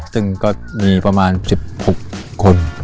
ซึ่งก็มีประมาณ๑๖คน